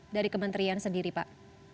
dari kementerian sendiri pak